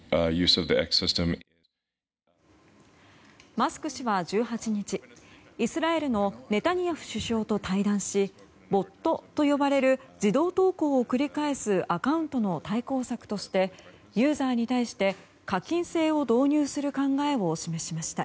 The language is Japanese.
マスク氏は１８日イスラエルのネタニヤフ首相と対談しｂｏｔと呼ばれる自動投稿を繰り返すアカウントの対抗策としてユーザーに対して課金制を導入する考えを示しました。